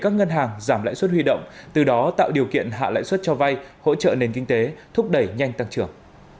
các ngân hàng giảm lãi suất huy động từ đó tạo điều kiện hạ lãi suất cho vay hỗ trợ nền kinh tế thúc đẩy nhanh tăng trưởng